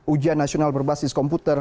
ujian nasional berbasis komputer